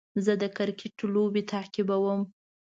زه د کرکټ لوبې تعقیبوم.